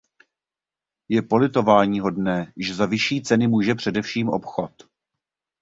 Je politováníhodné, že za vyšší ceny může především obchod.